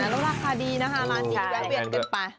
แล้วลูกรักคาดีนะครับ๕นาทีแล้วเปลี่ยนเกินไป